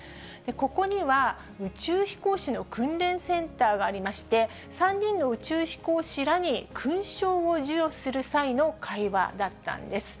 ここには宇宙飛行士の訓練センターがありまして、３人の宇宙飛行士らに勲章を授与する際の会話だったんです。